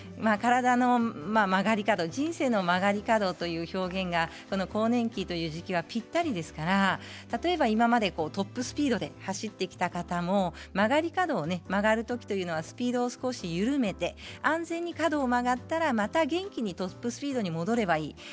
体の曲がり角、人生の曲がり角という表現がこの更年期という時期はぴったりですから例えば今までトップスピードで走ってきた方も曲がり角を曲がるときというのはスピードを少し緩めて安全に角を曲がったらまた元気にトップスピードに戻ればいい。